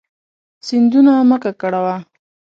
سیندونه مه ککړوه.